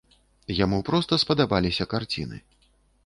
Яму проста спадабаліся карціны.